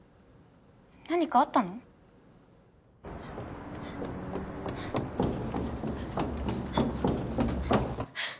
何かあったの？ハァ。